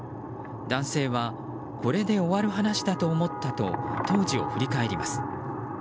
男性はこれで終わる話だと思ったと当時を振り返ります。